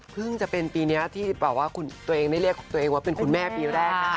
จะเป็นปีนี้ที่แบบว่าตัวเองได้เรียกตัวเองว่าเป็นคุณแม่ปีแรกนะคะ